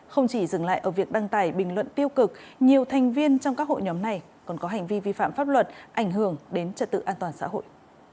không chỉ dừng lại ở việc đăng tải bình luận tiêu cực nhiều thành viên trong các hội nhóm này còn có hành vi vi phạm pháp luật ảnh hưởng đến trật tự an toàn xã hội